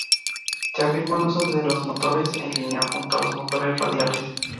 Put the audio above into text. Se afirmó el uso de los motores en línea, junto a los motores radiales.